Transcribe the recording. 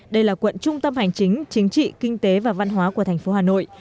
đây là quận trung tâm hành chính chính trị kinh tế và văn hóa của tp hà nội